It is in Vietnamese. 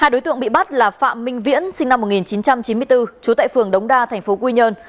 hai đối tượng bị bắt là phạm minh viễn sinh năm một nghìn chín trăm chín mươi bốn chú tại phường đống đa tp quy nhơn